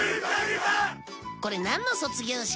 これなんの卒業式？